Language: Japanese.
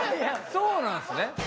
そうなんですね。